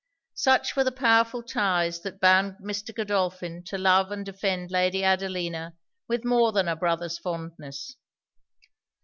Such were the powerful ties that bound Mr. Godolphin to love and defend Lady Adelina with more than a brother's fondness.